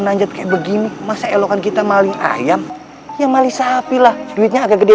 nanjat kayak begini masa elokan kita maling ayam ya maling sapi lah duitnya agak gede